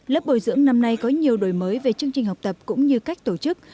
lớp bồi dưỡng năm nay có nhiều đổi mới về chương trình học tập cũng như cách tổ chức